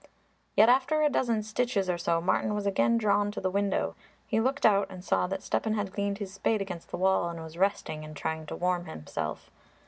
Yet after a dozen stitches or so Martin was again drawn to the window. He looked out and saw that Stepan had leaned his spade against the wall and was resting and trying to warm himself.